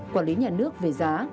quản lý nhà nước về giá